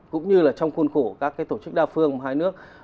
cũng như là trong khuôn khổ các tổ chức đa phương của hai nước